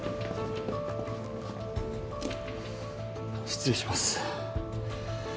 失礼します。